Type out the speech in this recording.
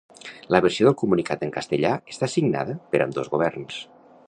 La versió del comunicat en castellà està signada per ambdós governs.